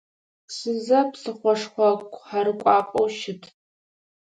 Пшызэ псыхъошхо, къухьэрыкӏуапӏэу щыт.